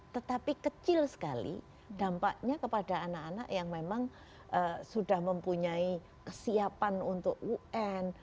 tetapi kecil sekali dampaknya kepada anak anak yang memang sudah mempunyai kesiapan untuk un